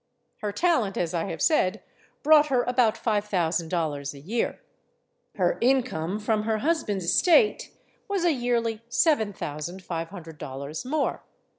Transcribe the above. Her talent, as I have said, brought her about five thousand dollars a year. Her income from her husband's estate was a yearly severa thousand five hundred dollars more.